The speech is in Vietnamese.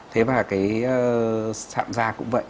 thế và sạm da cũng vậy